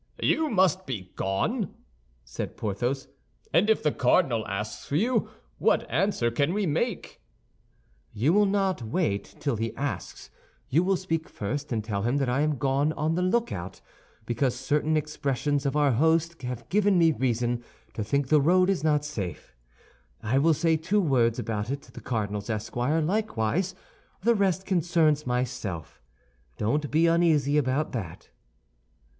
"You must be gone!" said Porthos; "and if the cardinal asks for you, what answer can we make?" "You will not wait till he asks; you will speak first, and tell him that I am gone on the lookout, because certain expressions of our host have given me reason to think the road is not safe. I will say two words about it to the cardinal's esquire likewise. The rest concerns myself; don't be uneasy about that."